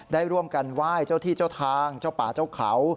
ได้ร่วมกันไหว้เจ้าที่เจ้าทางเจ้าป่าเจ้าเขา